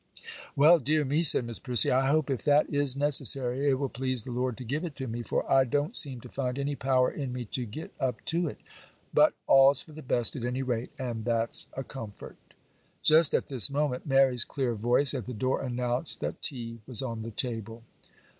'Well, dear me!' said Miss Prissy, 'I hope, if that is necessary, it will please the Lord to give it to me; for I don't seem to find any power in me to get up to it. But all's for the best, at any rate,—and that's a comfort.' Just at this moment Mary's clear voice at the door announced that tea was on the table.